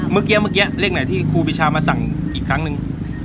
เมื่อกี้เมื่อกี้เลขไหนที่ครูปีชามาสั่งอีกครั้งหนึ่ง